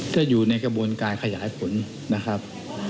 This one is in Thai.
ถ้าอยู่ในกระบวนการขยายผลนะครับ